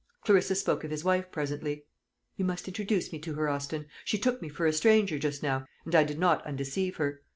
Clarissa spoke of his wife presently. "You must introduce me to her, Austin. She took me for a stranger just now, and I did not undeceive her."